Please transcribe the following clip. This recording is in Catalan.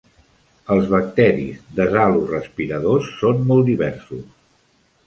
Els bacteris deshalorespiradors són molt diversos.